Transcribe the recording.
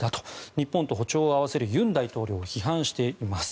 日本と歩調を合わせる尹大統領を批判しています。